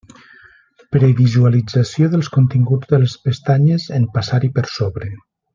Previsualització dels continguts de les pestanyes en passar-hi per sobre.